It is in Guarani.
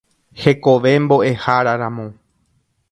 Hekove Mbo'eháraramo.